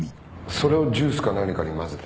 それをジュースか何かに混ぜて？